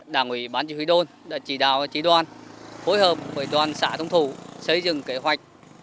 đảng ủy bán chí huy đôn đã chỉ đào chí đoan phối hợp với đoàn xã thống thủ xây dựng kế hoạch